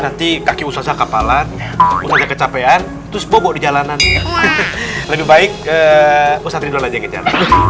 nanti kaki ustadz kapalan ustadz kecapean terus bobok di jalanan lebih baik ustadz ridwan aja yang ngejar